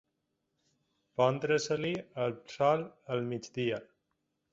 Pondre-se-li el sol al migdia.